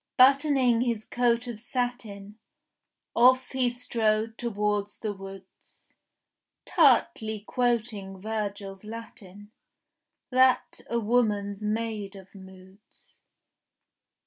Buttoning his coat of satin, Off he strode towards the woods, Tartly quoting Virgil's Latin, That a woman's made of moods.